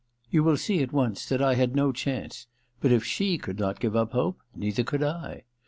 You will see at once that I had no chance ; but if she could not give up hope, neither could I.